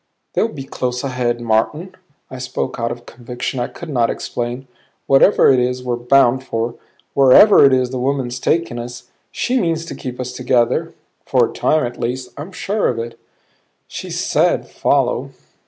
"They'll be close ahead, Martin." I spoke out of a conviction I could not explain. "Whatever it is we're bound for, wherever it is the woman's taking us, she means to keep us together for a time at least. I'm sure of it." "She said follow."